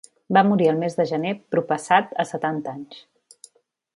Va morir el mes de gener proppassat a setanta anys.